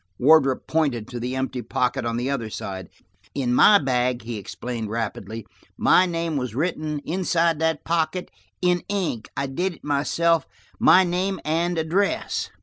Wardrop pointed to the empty pocket on the other side. "In my bag," he explained rapidly, "my name was written inside that pocket, in ink. I did it myself–my name and address."